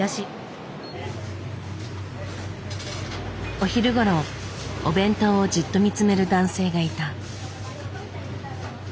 お昼ごろお弁当をじっと見つめる男性がいた。